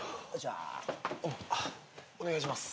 あっお願いします。